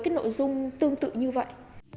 được những tin nhắn với nội dung tương tự như vậy